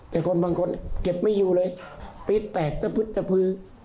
แต่คนบางคนเก็บไม่อยู่เลยปี๊ดแตกสะพึดสะพือ